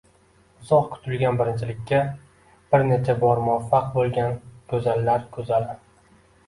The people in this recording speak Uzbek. uzoq kutilgan birinchilikka bir necha bor muvaffaq bo‘lgan go‘zallar go‘zali